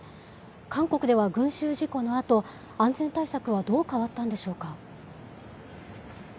韓国では群集事故のあと、安全対策はどう変わったんでしょうか。